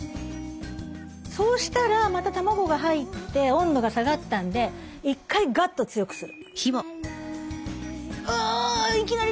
そうしたらまた卵が入って温度が下がったんで蓋をする。